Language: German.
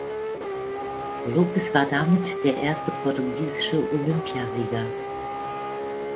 Lopes war damit der erste portugiesische Olympiasieger.